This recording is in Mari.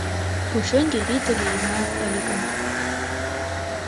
Пушеҥге рӱдӧ лийына ыле гын